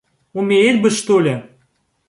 Умереть бы что-ли?!